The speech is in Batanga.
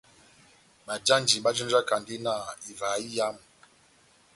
Bajanji bájanjakandi na ivaha iyamu.